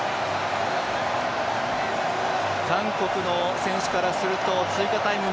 韓国の選手からすると追加タイム